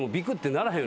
ならへん。